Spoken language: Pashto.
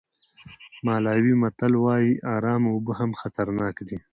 مالاوي متل وایي ارامه اوبه هم خطرناک دي.